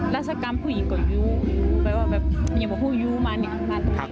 ราชกรรมผู้หญิงก็ยู้อย่าบอกว่าผู้ยู้มันนี่มันนี่